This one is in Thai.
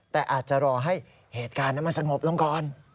แต่อาจจะรอให้เหตุการณ์นั้นมันสงบลงก่อน